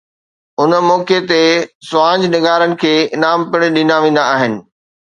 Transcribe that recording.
ان موقعي تي سوانح نگارن کي انعام پڻ ڏنا ويندا آهن.